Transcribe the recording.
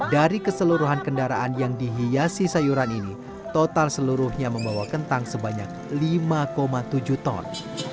dari keseluruhan kendaraan yang dihiasi sayuran ini total seluruhnya membawa kentang sebanyak lima tujuh ton